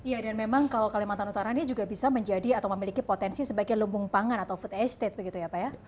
ya dan memang kalau kalimantan utara ini juga bisa menjadi atau memiliki potensi sebagai lumbung pangan atau food estate begitu ya pak ya